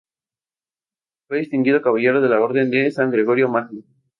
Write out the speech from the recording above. Fue distinguido Caballero de la Orden de San Gregorio Magno.